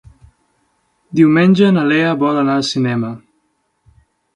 Diumenge na Lea vol anar al cinema.